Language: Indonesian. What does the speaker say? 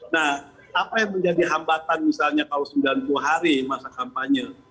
nah apa yang menjadi hambatan misalnya kalau sembilan puluh hari masa kampanye